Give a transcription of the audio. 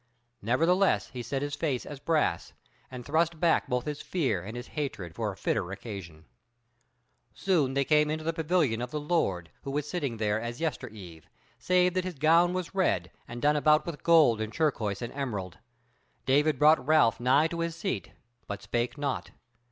Nevertheless he set his face as brass, and thrust back both his fear and his hatred for a fitter occasion. Soon they came into the pavilion of the Lord, who was sitting there as yester eve, save that his gown was red, and done about with gold and turquoise and emerald. David brought Ralph nigh to his seat, but spake not.